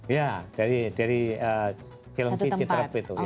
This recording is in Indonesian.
ya dari cilengsi di tretep itu ya